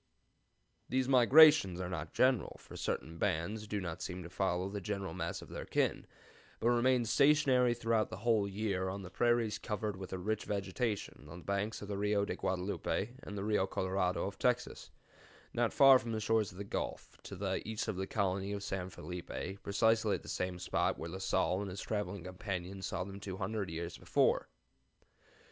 "These migrations are not general, for certain bands do not seem to follow the general mass of their kin, but remain stationary throughout the whole year on the prairies covered with a rich vegetation on the banks of the Rio de Guadelupe and the Rio Colorado of Texas, not far from the shores of the Gulf, to the east of the colony of San Felipe, precisely at the same spot where La Salle and his traveling companions saw them two hundred years before.